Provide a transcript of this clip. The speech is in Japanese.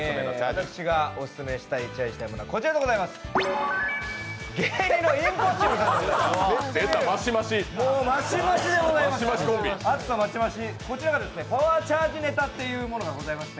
私がオススメしたいチャージしたいものはこちらでございます。